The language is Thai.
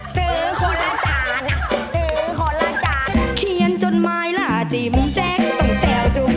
ถือพระมจารย์ถือพระมจารย์